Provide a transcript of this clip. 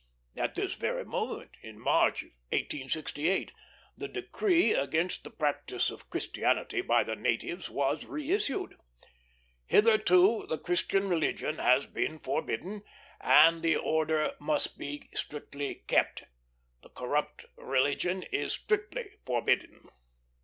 At this very moment, in March, 1868, the decree against the practice of Christianity by the natives was reissued: "Hitherto the Christian religion has been forbidden, and the order must be strictly kept. The corrupt religion is strictly forbidden."